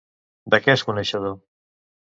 De què és coneixedor?